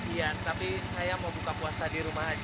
iya tapi saya mau buka puasa di rumah aja